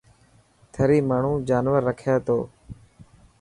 ٿري ماڻهو جانور رکي ٿو.